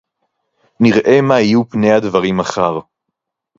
נִרְאָה מָה יִהְיוּ פְּנֵי הַדְבָרִים מָחָר.